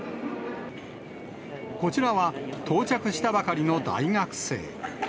こちらは到着したばかりの大学生。